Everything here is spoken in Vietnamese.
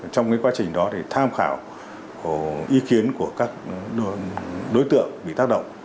trong quá trình đó thì tham khảo ý kiến của các đối tượng bị tác động